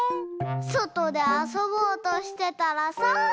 そとであそぼうとしてたらさ。